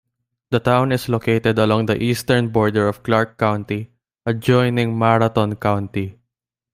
The town is located along the eastern border of Clark County, adjoining Marathon County.